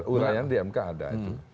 uraian di mk ada